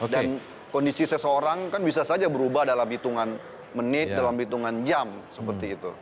dan kondisi seseorang kan bisa saja berubah dalam hitungan menit dalam hitungan jam seperti itu